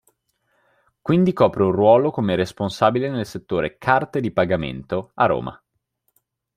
Quindi copre un ruolo come responsabile nel settore "carte di pagamento" a Roma.